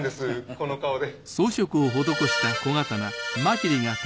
この顔で。